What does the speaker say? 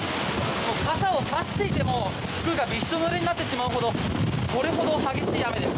傘を差していても、服がびしょぬれになってしまうほどそれほど激しい雨です。